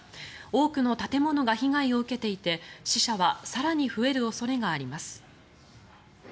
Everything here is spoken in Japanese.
多くの建物が被害を受けていて死者は更に増える恐れがあります。